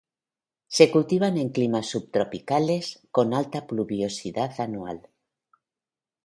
Se cultivan en climas subtropicales, con alta pluviosidad anual.